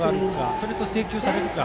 それと、制球されるか。